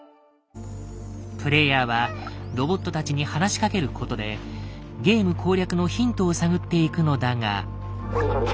プレイヤーはロボットたちに話しかけることでゲーム攻略のヒントを探っていくのだが。